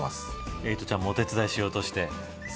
エイトちゃんもお手伝いしようとして。